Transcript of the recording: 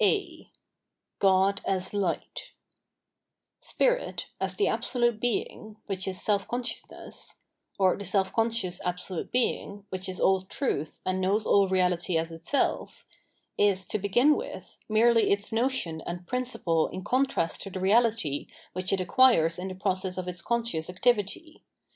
a God as Light* Spirit, as the absolute Being, which is self conscious ness — or the self conscious absolute Being, which is all truth and knows aU reality as itself — is, to begin with, merely its notion and principle in contrast to the reality which it acquires in the process of its con scious activity.